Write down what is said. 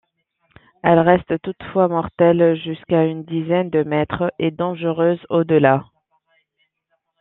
Elles restent toutefois mortelles jusqu'à une dizaine de mètres et dangereuses au-delà.